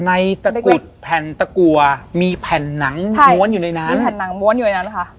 ในตะกรุดแผ่นตะกัวมีแผ่นหนังม้วนอยู่ในนั้นแผ่นหนังม้วนอยู่ในนั้นค่ะ